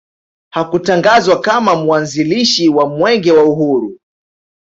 Hakutangazwa kama mwanzilishi wa Mwenge wa Uhuru